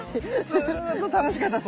ずっと楽しかったです。